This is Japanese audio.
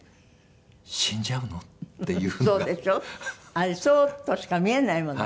あれそうとしか見えないもの。